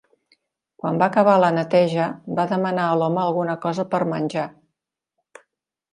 Quan va acabar la neteja va demanar a l'home alguna cosa per menjar.